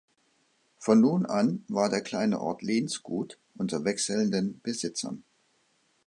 Von nun an war der kleine Ort Lehnsgut unter wechselnden Besitzern.